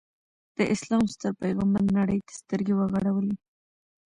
د اسلام ستر پیغمبر نړۍ ته سترګې وغړولې.